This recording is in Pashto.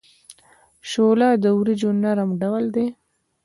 شوله د وریجو نرم ډول دی.